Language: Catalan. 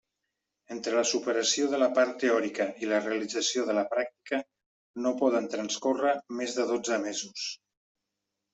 Entre la superació de la part teòrica i la realització de la pràctica, no poden transcórrer més de dotze mesos.